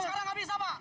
sekarang gak bisa pak